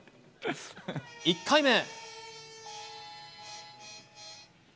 １回目。